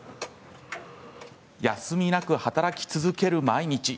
休みなく働き続ける毎日。